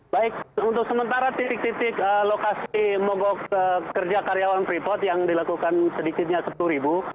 baik untuk sementara titik titik lokasi mogok kerja karyawan freeport yang dilakukan sedikitnya sepuluh ribu